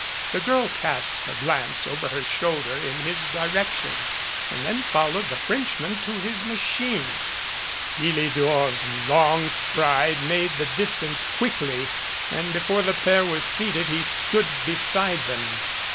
The girl cast a glance over her shoulder in his direction and then followed the French man to his machine. Philidor's long stride made the dis tance quickly, and before the pair were seated, he stood beside them.